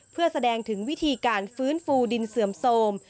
เพื่อแสดงถึงวิธีการฟื้นฟูดินเสื่อมโทรม